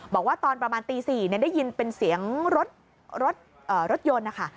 บอกว่าตอนประมาณตี๔ได้ยินเป็นเสียงรถยนต์นะคะ